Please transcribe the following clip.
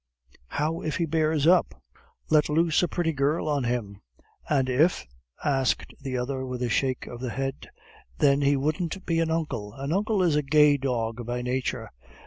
"How if he bears up?" "Let loose a pretty girl on him." "And if ?" asked the other, with a shake of the head. "Then he wouldn't be an uncle an uncle is a gay dog by nature."